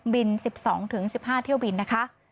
๑๒๑๕เที่ยวบินนะคะ